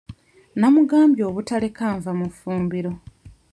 Namugambye obutaleka nva mu fumbiro.